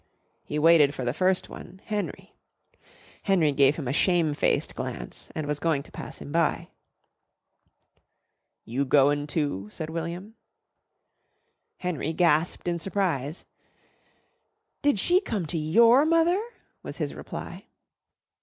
He waited for the first one, Henry. Henry gave him a shamefaced glance and was going to pass him by. "You goin' too?" said William. Henry gasped in surprise. "Did she come to your mother?" was his reply.